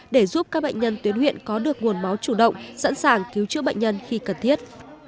để giúp các bệnh nhân tuyến huyện có được nguồn máu chủ động sẵn sàng cứu chữa bệnh nhân khi cần thiết